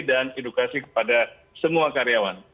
dan edukasi kepada semua karyawan